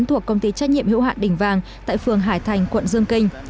thuộc công ty trách nhiệm hữu hoạn đình vàng tại phường hải thành quận dương kinh